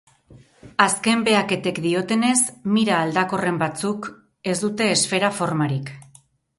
Azken behaketek diotenez, Mira aldakorren batzuk ez dute esfera formarik.